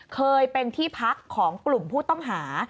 เคยเป็นที่พักของกลุ่มผู้ต้องหา